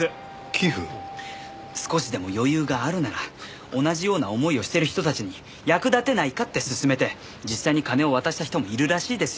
少しでも余裕があるなら同じような思いをしてる人たちに役立てないかって勧めて実際に金を渡した人もいるらしいですよ。